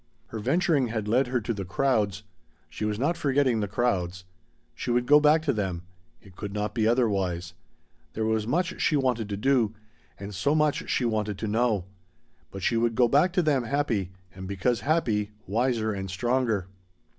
Her venturing had led her to the crowds. She was not forgetting the crowds. She would go back to them. It could not be otherwise. There was much she wanted to do, and so much she wanted to know. But she would go back to them happy, and because happy, wiser and stronger.